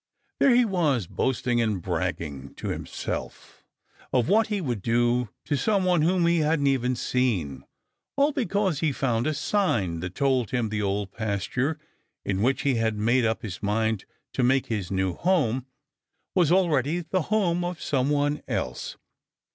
There he was boasting and bragging to himself of what he would do to some one whom he hadn't even seen, all because he had found a sign that told him the Old Pasture, in which he had made up his mind to make his new home, was already the home of some one else.